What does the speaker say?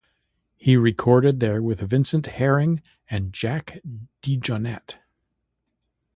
He recorded there with Vincent Herring and Jack DeJohnette.